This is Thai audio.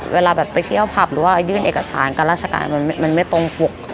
เวลาแบบไปเที่ยวผับหรือว่ายื่นเอกสารการราชการมันไม่ตรงปก